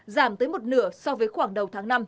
giảm tới một nửa so với khoảng đầu tháng năm